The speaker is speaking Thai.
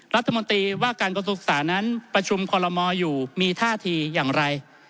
รัฐมนตรีว่าการกระทรวงศึกษานั้นประชุมคอลโลมออยู่มีท่าทีอย่างไร